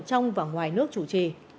trong và ngoài nước chủ trì